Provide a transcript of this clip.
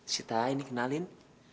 sita ini kenalin